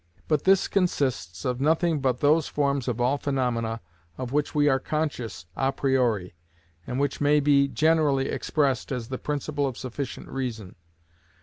But this consists of nothing but those forms of all phenomena of which we are conscious a priori, and which may be generally expressed as the principle of sufficient reason.